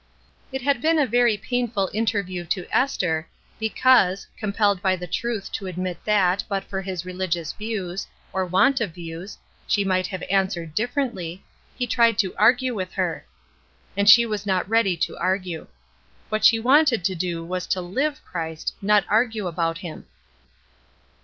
It had been a very painful interview to Esther, 312 ESTER RIED'S NAMESAKE because, compelled by the truth to admit that, but for his religious views — or want of views — she might have answered differently, he tried to argue with her ; and she was not ready to argue. What she wanted to do was to live Christ, not argue about Him.